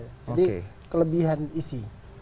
jadi kelebihan isi